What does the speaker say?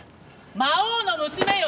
魔王の娘よ！